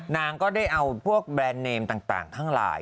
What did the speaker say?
นางก็ได้เอาพวกแบรนด์เนมต่าง